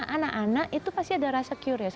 anak anak itu pasti ada rasa curious